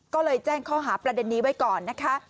ก็เลยแจ้งข้อหาประเด็นนี้ไว้ก่อนนะคะ